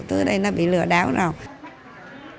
thứ này nó bị lừa đáo rồi